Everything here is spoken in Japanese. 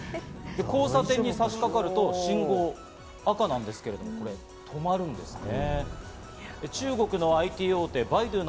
交差点に差しかかると信号、赤なんですけれども止まるんですね。